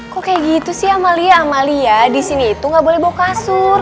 kok kayak gitu sih amalia amalia di sini itu gak boleh bawa kasur